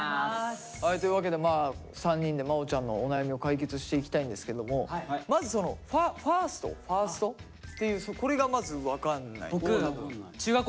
というわけで３人でまおちゃんのお悩みを解決していきたいんですけどもまずそのファ１ｓｔっていうこれがまず分かんない。